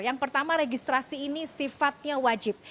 yang pertama registrasi ini sifatnya wajib